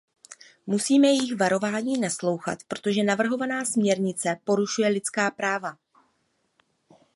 Musíme jejich varováním naslouchat, protože navrhovaná směrnice porušuje lidská práva.